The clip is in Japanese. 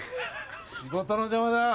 仕事の邪魔だ。